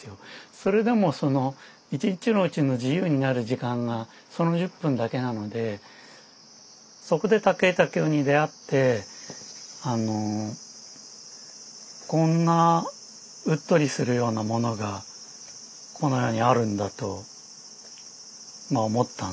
それでも１日のうちの自由になる時間がその１０分だけなのでそこで武井武雄に出会ってこんなうっとりするようなものがこの世にあるんだと思ったんですよね。